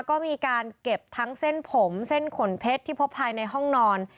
ก็มีการเก็บทั้งเส้นผมเส้นขนเพชรที่พบภายในห้องนอน